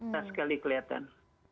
tak sekali kelihatan